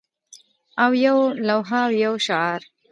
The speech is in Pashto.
او یوه لوحه او یو شعار